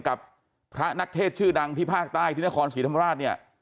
กับพระนักเทศชื่อดังที่ภาคใต้ที่นครศรีธรรมราชเนี่ย